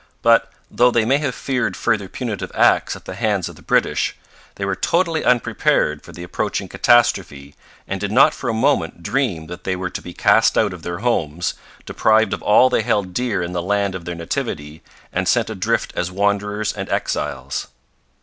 But, though they may have feared further punitive acts at the hands of the British, they were totally unprepared for the approaching catastrophe, and did not for a moment dream that they were to be cast out of their homes, deprived of all they held dear in the land of their nativity, and sent adrift as wanderers and exiles.